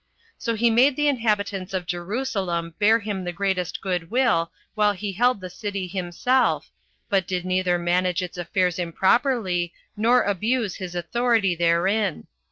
So he made the inhabitants of Jerusalem bear him the greatest good will while he held the city himself, but did neither manage its affairs improperly, nor abuse his authority therein.